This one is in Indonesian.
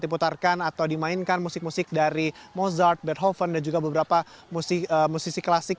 dikutarkan atau dimainkan musik musik dari mozart beethoven dan juga beberapa musisi klasik